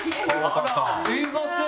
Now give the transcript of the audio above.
すみません。